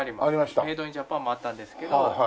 ありました？メイド・イン・ジャパンもあったんですけど。